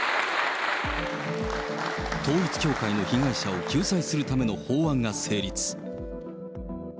統一教会の被害者を救済するための法案が成立。